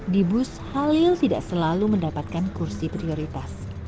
di bus halil tidak selalu mendapatkan kursi prioritas